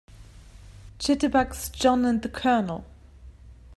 Jitterbugs JOHN and the COLONEL.